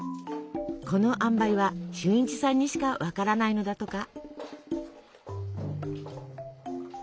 このあんばいは俊一さんにしか分からないのだとか。